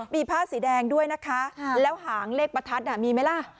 มีผ้าสีแดงด้วยนะคะแล้วหางเลขประทัดมีไหมล่ะ